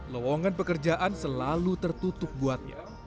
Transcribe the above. lewangan pekerjaan selalu tertutup buatnya